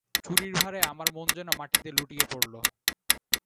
চুরির ভারে আমার মন যেন মাটিতে লুটিয়ে পড়ল!